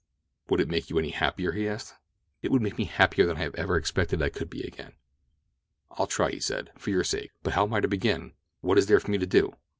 "Would it make you any happier?" he asked. "It would make me happier than I had ever expected that I could be again." "I'll try," he said, "for your sake; but how am I to begin—what is there for me to do?"